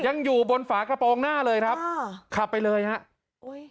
ยังอยู่บนฝากระโปรงหน้าเลยครับอ่าขับไปเลยฮะอุ้ย